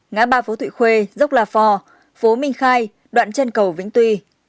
ngã ba phố thụy khuê dốc la phò phố minh khai đoạn chân cầu vĩnh tuy